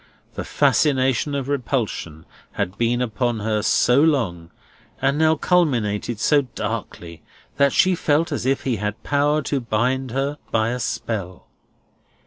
The fascination of repulsion had been upon her so long, and now culminated so darkly, that she felt as if he had power to bind her by a spell.